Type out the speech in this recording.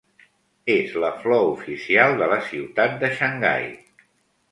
És la flor oficial de la ciutat de Xangai.